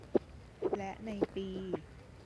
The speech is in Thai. และในปี